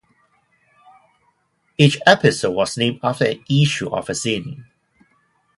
Each episode was named after an "issue" of her zine.